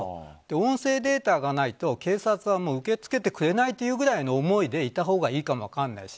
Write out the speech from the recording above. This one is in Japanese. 音声データがないと警察は受け付けてくれないというぐらいの思いでいたほうがいいかも分からないし